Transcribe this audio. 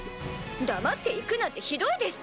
黙って行くなんてひどいです！